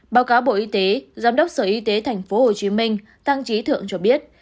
báo cáo bộ y tế giám đốc sở y tế tp hcm tăng trí thượng cho biết